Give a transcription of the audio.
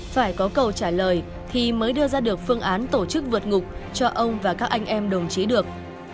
phải có câu trả lời thì mới đưa ra được phương án tổ chức vượt ngục cho ông và các anh em đồng chí được